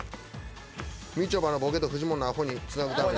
みちょぱのボケとフジモンのアホにつなぐために。